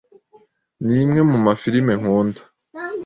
Nimwe muma firime nkunda.